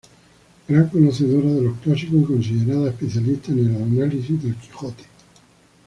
Gran conocedora de los clásicos, y considerada especialista en el análisis del "Quijote.